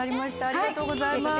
ありがとうございます。